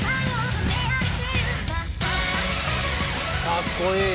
かっこいい！